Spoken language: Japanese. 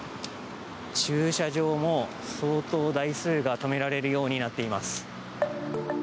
駐車場も相当、台数が止められるようになっています。